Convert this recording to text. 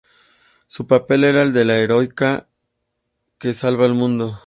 Su papel era el de la heroína que salva al mundo.